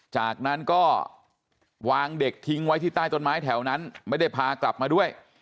จากนั้นก็วางเด็กทิ้งไว้ที่ใต้ต้นไม้แถวนั้นไม่ได้พากลับมาด้วย